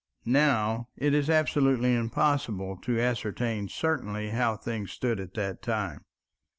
Now, it is absolutely impossible to ascertain certainly how things stood at that time.